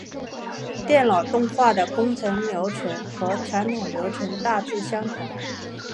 电脑动画的工作流程和传统流程大致相同。